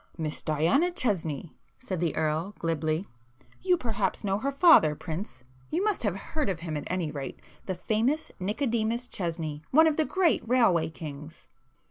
"Miss Diana Chesney,"—said the Earl glibly—"You perhaps know her father, prince,—you must have heard of him at any rate—the famous Nicodemus Chesney, one of the great railway kings."